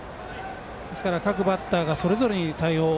ですから各バッターがそれぞれに対応